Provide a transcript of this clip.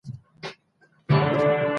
هغوی تل د خلګو ترمنځ انصاف کړی دی.